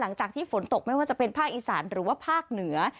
หลังจากที่ฝนตกไม่ว่าจะเป็นภาคอีสานหรือว่าภาคเหนือ